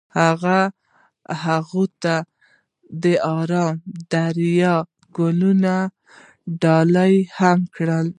هغه هغې ته د آرام دریا ګلان ډالۍ هم کړل.